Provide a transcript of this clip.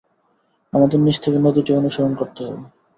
আমাদের নিচ থেকে নদীটা অনুসরণ করতে হবে।